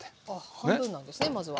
半分なんですねまずは。